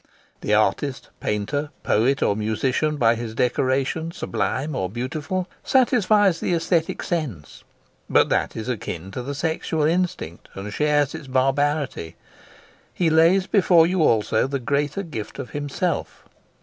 The artist, painter, poet, or musician, by his decoration, sublime or beautiful, satisfies the aesthetic sense; but that is akin to the sexual instinct, and shares its barbarity: he lays before you also the greater gift of himself.